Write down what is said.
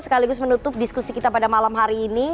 sekaligus menutup diskusi kita pada malam hari ini